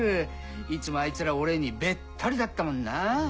いつもあいつら俺にベッタリだったもんなぁ。